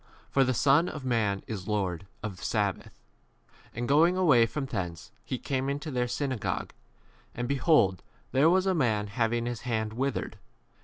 For the Son of man is Lord h of the sabbath. 9 And, going away* from thence, he came into their synagogue. 10 And, behold, there was a man having his J hand withered.